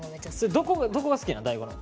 どこが好きなの？